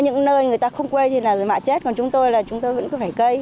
những nơi người ta không quay thì là mạ chết còn chúng tôi là chúng tôi vẫn phải cấy